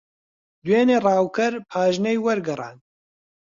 دوێنێ ڕاوکەر پاژنەی وەرگەڕاند.